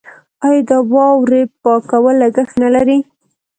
آیا د واورې پاکول لګښت نلري؟